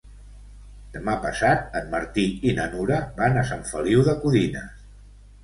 Demà passat en Martí i na Nura van a Sant Feliu de Codines.